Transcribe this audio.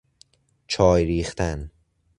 چای ریختن